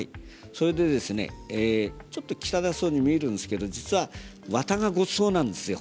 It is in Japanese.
それでちょっと汚そうに見えるんですけど実はわたがごちそうなんですよ。